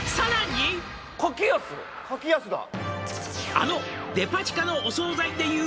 「あの」